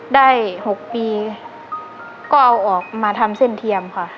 ได้๖ปีก็เอาออกมาทำเส้นเทียมค่ะ